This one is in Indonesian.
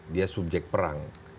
dia subjek perang